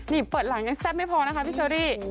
นี่เปิดหลังยังแซ่บไม่พอนะคะพี่เชอรี่